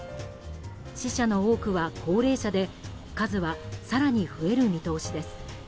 死者の多くは高齢者で数は更に増える見通しです。